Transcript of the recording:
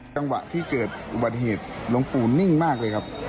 จังหวะที่เกิดอุบัติเหตุหลวงปู่นิ่งมากเลยครับ